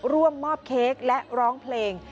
ร่วมมอบเค้กและร้องเพลง